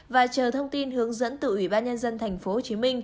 và chờ thông tin hướng dẫn từ ủy ban nhân dân tp hcm